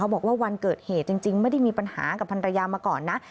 บอกว่าวันเกิดเหตุจริงไม่ได้มีปัญหากับพันรยามาก่อนนะ